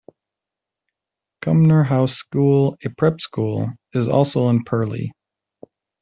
Cumnor House School, a prep school, is also in Purley.